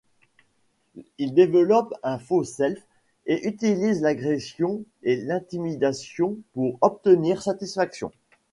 Ils développent un faux-self et utilisent l'agression et l'intimidation pour obtenir satisfaction.